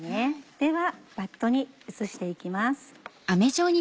ではバットに移して行きます。